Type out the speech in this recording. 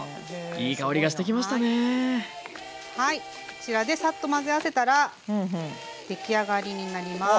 こちらでサッと混ぜ合わせたら出来上がりになります。